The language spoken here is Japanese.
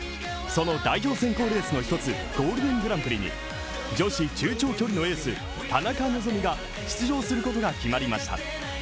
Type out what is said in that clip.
その代表選考レースの一つ、ゴールデングランプリに女子中・長距離のエース田中希実が出場することが決まりました。